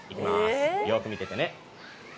よく見ててね。